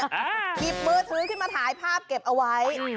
หยิบมือถือขึ้นมาถ่ายภาพเก็บเอาไว้